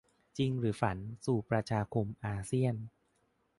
จริงหรือฝันสู่ 'ประชาคมอาเซียน' ?